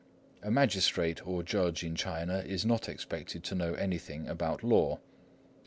A magistrate or judge in China is not expected to know anything about law.